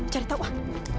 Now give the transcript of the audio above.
cari tau wah